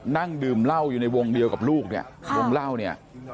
นั่งดื่มเหล้าอยู่ในวงเดียวกับลูกเนี่ยวงเล่าเนี่ย